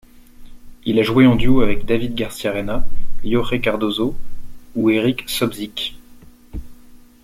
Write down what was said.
Il a joué en duo avec David Garciarena, Jorge Cardoso ou Eric Sobzscyk.